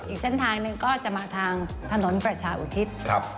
อีกเส้นทางหนึ่งก็จะมาทางถนนประชาอุทิศ